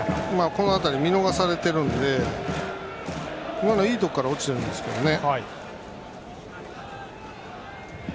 この辺り見逃されてるので今の、いいところから落ちてるんですけどね。